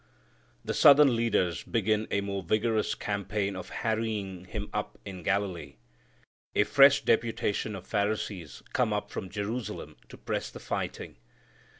The southern leaders begin a more vigorous campaign of harrying Him up in Galilee. A fresh deputation of Pharisees come up from Jerusalem to press the fighting.